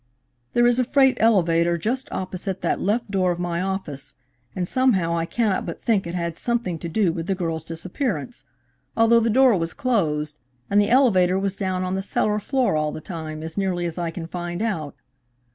"There is a freight elevator just opposite that left door of my office, and somehow I cannot but think it had something to do with the girl's disappearance, although the door was closed and the elevator was down on the cellar floor all the time, as nearly as I can find out."